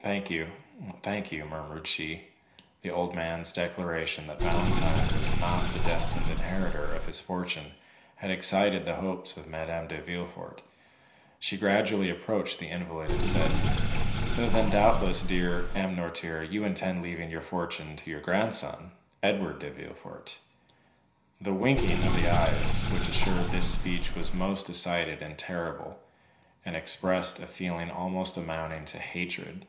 "Thank you, thank you," murmured she. The old man's declaration that Valentine was not the destined inheritor of his fortune had excited the hopes of Madame de Villefort; she gradually approached the invalid, and said: "Then, doubtless, dear M. Noirtier, you intend leaving your fortune to your grandson, Edward de Villefort?" The winking of the eyes which answered this speech was most decided and terrible, and expressed a feeling almost amounting to hatred.